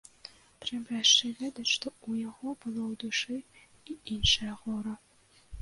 Трэба яшчэ ведаць, што ў яго было ў душы і іншае гора.